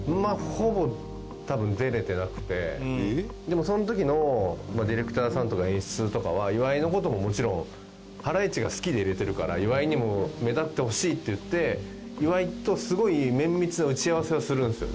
でもその時のディレクターさんとか演出とかは岩井の事ももちろんハライチが好きで入れてるから岩井にも目立ってほしいっていって岩井とすごい綿密な打ち合わせをするんですよ。